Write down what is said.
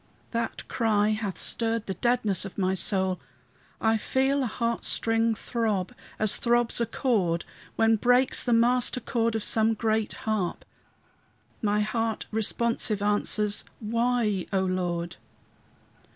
That cry hath stirred the deadness of my soul; I feel a heart string throb, as throbs a chord When breaks the master chord of some great harp; My heart responsive answers, "Why?" O Lord.